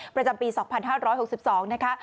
ประจำปี๒๕๖๒นะคะ